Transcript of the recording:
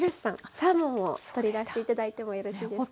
サーモンを取り出して頂いてもよろしいですか？